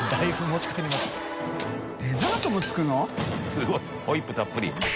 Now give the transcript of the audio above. すごいホイップたっぷり。